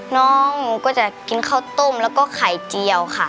น้องหนูก็จะกินข้าวต้มแล้วก็ไข่เจียวค่ะ